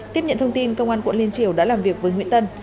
tiếp nhận thông tin công an quận liên triều đã làm việc với nguyễn tân